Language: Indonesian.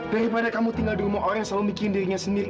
daripada kamu tinggal di rumah orang yang selalu bikin dirinya sendiri